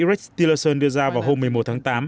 rex tillerson đưa ra vào hôm một mươi một tháng tám